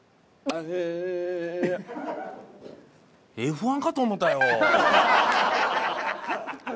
Ｆ１かと思ったよ。